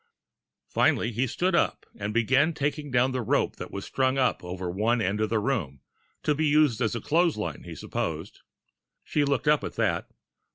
Finally he stood up and began taking down the rope that was strung up over one end of the room, to use as a clothes line, he supposed. She looked up at that.